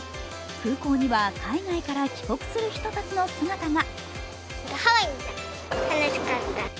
空港には海外から帰国する人たちの姿が。